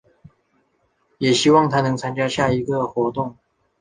也希望她能参加下一次的活动。